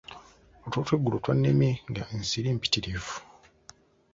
Otulo tw'eggulo twannemye nga ensiri mpitirivu.